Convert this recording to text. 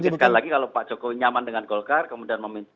tapi ingatkan lagi kalau pak jokowi nyaman dengan golkar kemudian memilih